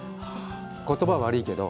言葉悪いけど。